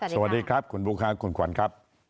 สวัสดีครับคุณบุ๊คคุณขวัญครับ